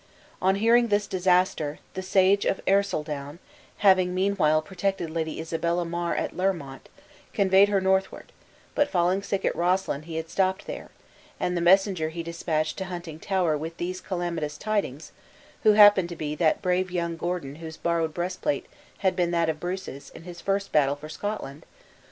On hearing this disaster, the sage of Ercildown, having meanwhile protected Lady Isabella mar at Learmont, conveyed her northward; but falling sick at Roslyn, he had stopped there; and the messenger he dispatched to Huntingtower with these calamitous tidings (who happened to be that brave young Gordon whose borrowed breastplate had been that of Bruce's, in his first battle for Scotland!)